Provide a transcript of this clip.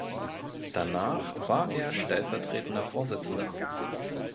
Danach war er stellvertretender Vorsitzender.